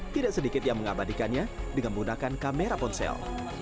tidak sedikit yang mengabadikannya dengan menggunakan kamera ponsel